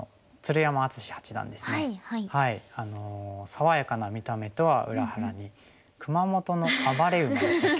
爽やかな見た目とは裏腹に「熊本の暴れ馬」でしたっけ。